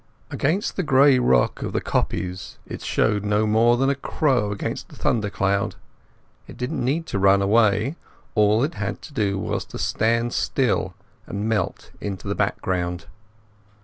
Against the grey rock of the kopjes it showed no more than a crow against a thundercloud. It didn't need to run away; all it had to do was to stand still and melt into the background.